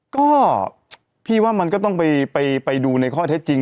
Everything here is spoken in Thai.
ก็พี่ว่ามันก็ต้องไปดูในข้อเท็จจริง